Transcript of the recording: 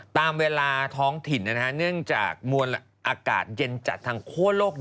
ตามเวลาท้องถิ่นเนื่องจากมวลอากาศเย็นจากทางคั่วโลก